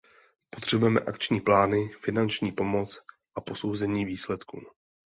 Potřebujeme akční plány, finanční pomoc a posouzení výsledků.